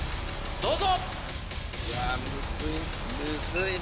どうぞ！